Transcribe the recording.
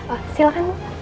oh silahkan bu